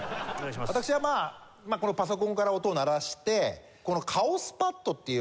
私はパソコンから音を鳴らしてこのカオスパッドっていう